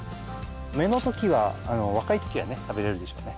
芽の時は若い時はね食べられるでしょうね。